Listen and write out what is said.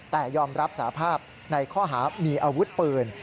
แต่ยอมรับสาภาพในข้อหามีอาวุธปืน